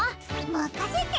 まかせて！